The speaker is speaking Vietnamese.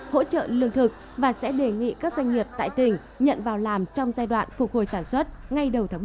hỗ trợ lương thực và sẽ đề nghị các doanh nghiệp tại tỉnh nhận vào làm trong giai đoạn phục hồi sáng